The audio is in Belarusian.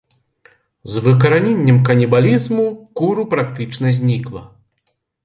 З выкараненнем канібалізму куру практычна знікла.